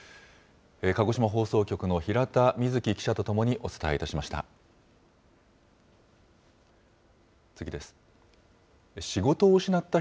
鹿児島放送局の平田瑞季記者と共にお伝えいたしました。